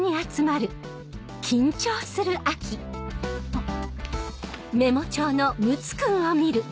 あっ。